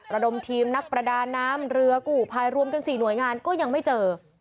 ระดมทีมนักประดาน้ำเรือกู่พายรวมกัน๔หน่วยงานก็ยังไม่เจอ